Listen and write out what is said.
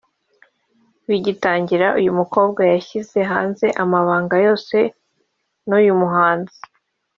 Bigitangira uyu mukobwa yashyize hanze amabanga yose n’uyu muhanzi